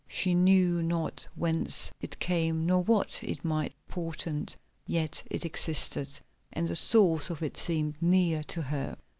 She knew not whence it came, nor what it might portend, yet it existed, and the source of it seemed near to her.